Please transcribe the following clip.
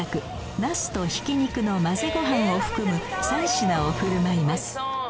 ナスとひき肉の混ぜご飯を含む３品を振る舞います